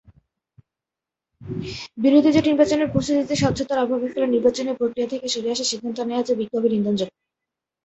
বিরোধী জোট নির্বাচনের প্রস্তুতিতে স্বচ্ছতার অভাবের ফলে নির্বাচনী প্রক্রিয়া থেকে সরে আসার সিদ্ধান্ত নেয় যা বিক্ষোভের ইন্ধন জোগায়।